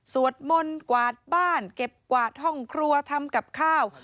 สวดมนต์กวาดบ้านเก็บกวาดห้องครัวทำกับข้าว